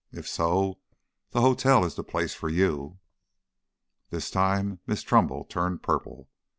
If so, the hotel is the place for you." This time Miss Trumbull turned purple.